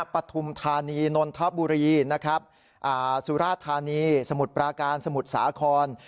ปฐุมธานีนนทบุรีสุรธานีสมุทรปราการสมุทรสาคอน